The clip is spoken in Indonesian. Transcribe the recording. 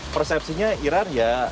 persepsinya iran ya